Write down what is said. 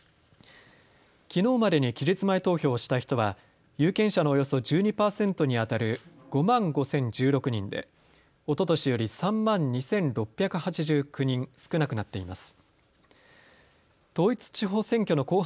きのうまでに期日前投票をした人は有権者のおよそ１２％にあたる５万５０１６人でおととしより３万２６８９人少なくなっています。